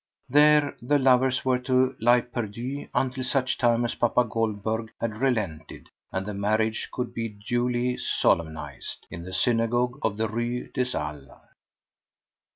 There the lovers were to lie perdu until such time as papa Goldberg had relented and the marriage could be duly solemnized in the synagogue of the Rue des Halles.